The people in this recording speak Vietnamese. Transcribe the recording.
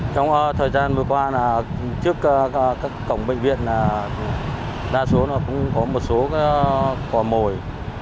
trong thời gian vừa qua trước cổng bệnh viện đa số cũng có một số quả mồi